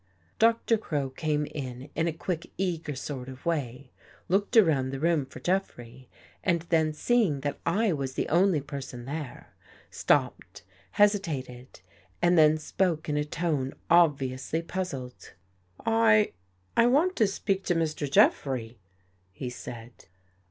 Doctor Crow came in In a quick eager sort of way, looked around the room for Jeffrey, and then, seeing that I was the only person there, stopped, hesitated and then spoke In a tone obviously puzzled. "I — I want to speak to Mr. Jeffrey," he said.